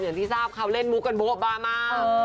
อย่างที่ทราบเขาเล่นมุกกันโบ๊บามา